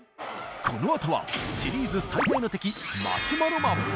このあとはシリーズ最大の敵マシュマロマン！